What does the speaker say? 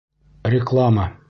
Реклама.